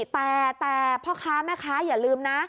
แต่พ่อค้าแม่ค้าอย่าลืมนะ